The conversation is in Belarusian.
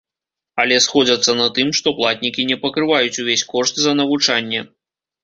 Але сходзяцца на тым, што платнікі не пакрываюць увесь кошт за навучанне.